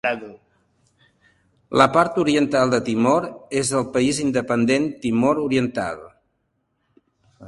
La part oriental de Timor és el país independent Timor Oriental.